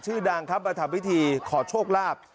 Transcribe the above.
ชื่อดังครับมาทำพิธีขอโชคลาภ